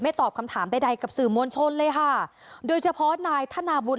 ตอบคำถามใดใดกับสื่อมวลชนเลยค่ะโดยเฉพาะนายธนาบุญ